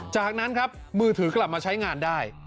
จากนั้นครับมือถือกลับมาใช้งานได้